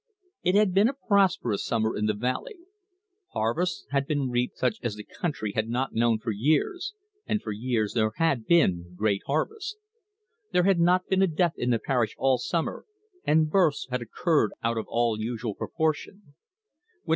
It had been a prosperous summer in the valley. Harvests had been reaped such as the country had not known for years and for years there had been great harvests. There had not been a death in the parish all summer, and births had occurred out of all usual proportion.